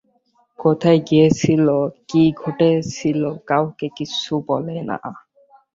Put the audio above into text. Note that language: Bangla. কোথায় গিয়েছিল, কী ঘটেছিল, কাউকে কিছুই বললে না।